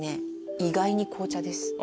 意外に紅茶です。